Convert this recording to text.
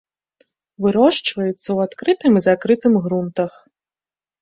Вырошчваюцца ў адкрытым і закрытым грунтах.